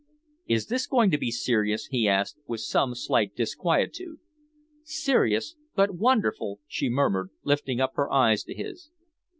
"Is this going to be serious?" he asked, with some slight disquietude. "Serious but wonderful," she murmured, lifting her eyes to his.